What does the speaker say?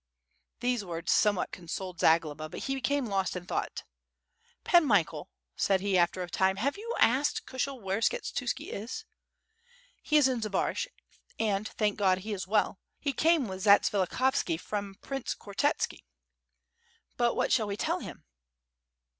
These words somewhat consoled Zagloba, but he became lost in thought. "Pan Michael," said he, after a time, ^Tiave you asked Kushel where Skshetuski is?" "He is in Zbaraj, and thank God, he is well. He came with Zatsvilikhovski, from Prince Koretski." "But what shall we tell him?"